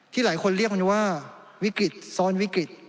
หลายคนเรียกมันว่าวิกฤตซ้อนวิกฤต